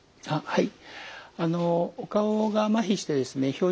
はい。